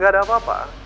gak ada apa apa